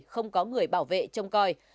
không có người bảo vệ trong coi